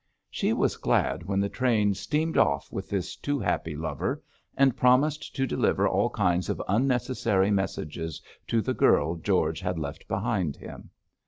She was glad when the train steamed off with this too happy lover, and promised to deliver all kinds of unnecessary messages to the girl George had left behind him.